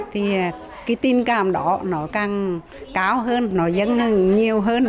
thì cái tình cảm đó nó càng cao hơn nó dâng hơn nhiều hơn